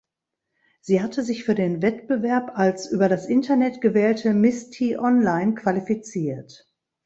Sie hatte sich für den Wettbewerb als über das Internet gewählte "Miss T-Online" qualifiziert.